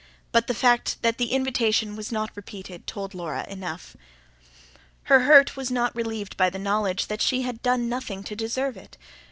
But the fact that the invitation was not repeated told Laura enough. Her hurt was not relieved by the knowledge that she had done nothing to deserve it.